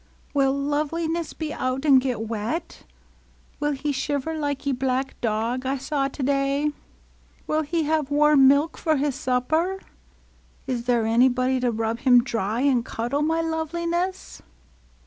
" Will Loveliness be out and get wet ? Will he shiver like 'e black dog I saw to day? Will he have warm milk for his supper? Is there anybody to rub him dry and cuddle my Loveliness